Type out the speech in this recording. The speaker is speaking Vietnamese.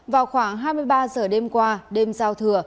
vào khoảng hai mươi ba giờ đêm qua đêm giao thừa